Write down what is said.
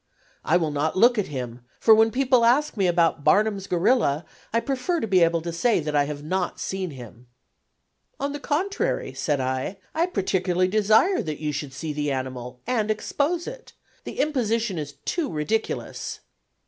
I will not look at him, for when people ask me about 'Barnum's gorilla,' I prefer to be able to say that I have not seen him." "On the contrary," said I, "I particularly desire that you should see the animal, and expose it. The imposition is too ridiculous."